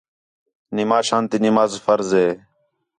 نِماشان تی نماز فرض ہِے